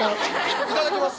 いただきます。